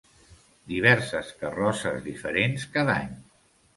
Diverses carrosses, diferents cada any.